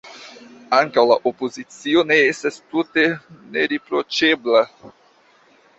Ankaŭ la opozicio ne estas tute neriproĉebla.